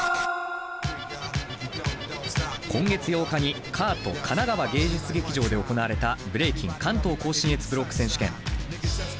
今月８日にＫＡＡＴ神奈川芸術劇場で行われたブレイキン関東甲信越ブロック選手権。